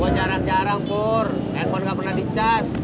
gua jarang jarang pur handphone gak pernah dicas